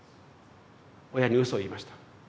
親にうそを言いました。